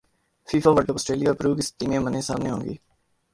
FIFA world cup سٹریلیا اور پیرو کی ٹیمیں منے سامنے ہوں گی